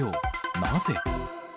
なぜ？